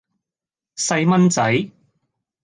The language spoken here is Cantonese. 細蚊仔